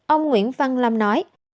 ông nguyễn văn lâm nói